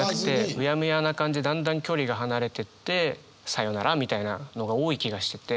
うやむやな感じでだんだん距離が離れてってさよならみたいなのが多い気がしてて。